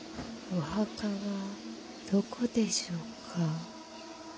・お墓はどこでしょうか。